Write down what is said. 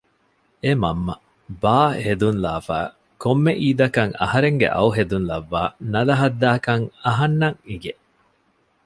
އެ މަންމަ ބާ ހެދުން ލާފައި ކޮންމެ އީދަކަށް އަހަރެންގެ އައު ހެދުން ލައްވާ ނަލަހައްދާކަން އަހަންނަށް އިނގެ